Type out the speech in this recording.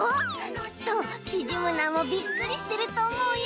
きっとキジムナーもびっくりしてるとおもうよ。